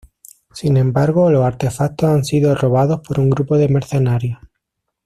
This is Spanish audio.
Sin embargo, los artefactos han sido robados por un grupo de mercenarios.